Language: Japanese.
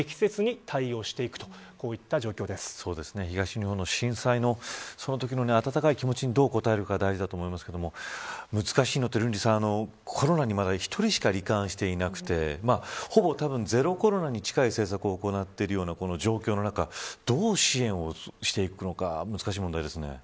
東日本の震災のそのときの温かい気持ちにどう応えるか大事だと思いますけれども難しいのは、瑠麗さんコロナに、まだ１人しかり患していなくてほぼゼロコロナに近い政策を行っている状況の中どう支援をしていくのか難しい問題ですね。